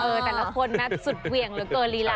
เออแต่ละคนหมดสุดเหวี่ยงเหลือแต๋อลีลา